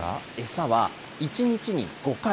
餌は１日に５回。